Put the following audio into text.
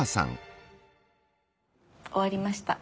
終わりました。